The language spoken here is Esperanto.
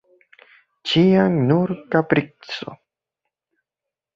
Ĉiam nur kaprico!